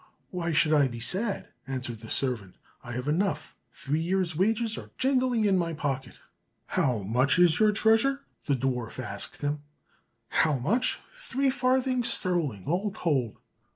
"Why should I be sad?" answered the servant; "I have enough; three years' wages are jingling in my pocket." "How much is your treasure?" the dwarf asked him. "How much? Three farthings sterling, all told."